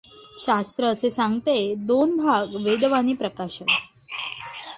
शास्त्र असे सांगते दोन भाग; वेदवाणी प्रकशन